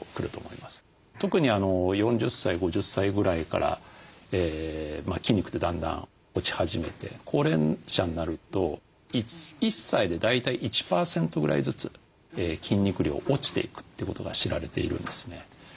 特に４０歳５０歳ぐらいから筋肉ってだんだん落ち始めて高齢者になると１歳で大体１％ぐらいずつ筋肉量落ちていくということが知られているんですね。